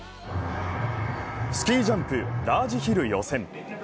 スキージャンプラージヒル予選。